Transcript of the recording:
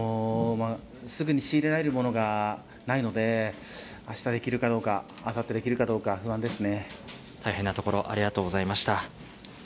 すぐに仕入れられるものがないのであしたできるかどうかあさってできるかどうか大変なところありがとうございました。